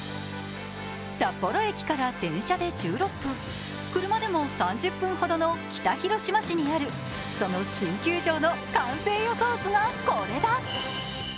札幌駅から電車で１６分、車でも３０分ほどの北広島市にあるその新球場の完成予想図がこれだ。